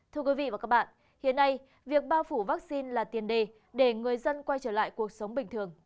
thưa quý vị và các bạn hiện nay việc bao phủ vaccine là tiền đề để người dân quay trở lại cuộc sống bình thường